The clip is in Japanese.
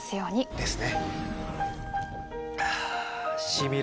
ですね。